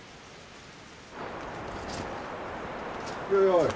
おい。